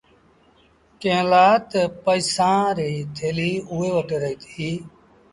ڪݩهݩ لآ تا پئيسآݩ ريٚ ٿيليٚ اُئي وٽ رهيتي۔